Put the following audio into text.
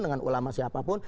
dengan ulama siapapun